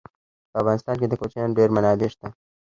په افغانستان کې د کوچیانو ډېرې منابع شته.